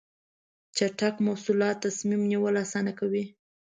چټک مواصلات تصمیم نیول اسانه کوي.